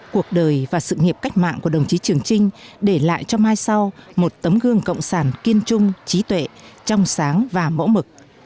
cuộc đời và sự nghiệp cách mạng của đồng chí trường trinh để lại cho mai sau một tấm gương cộng sản kiên trung trí tuệ trong sáng và mẫu mực